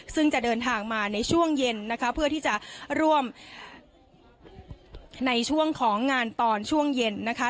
ซึ่งจะเดินทางมาในช่วงเย็นนะคะเพื่อที่จะร่วมในช่วงของงานตอนช่วงเย็นนะคะ